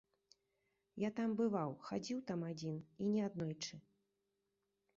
Я там бываў, хадзіў там адзін, і не аднойчы.